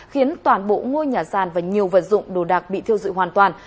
khiến toàn bộ ngôi nhà sàn và nhiều vật dụng đồ đạc bị thiêu dụi hoàn toàn